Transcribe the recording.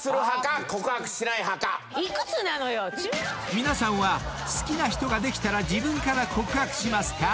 ［皆さんは好きな人ができたら自分から告白しますか？］